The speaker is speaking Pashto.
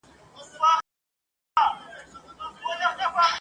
همدغه لاره ده آسانه پر ما ښه لګیږي ..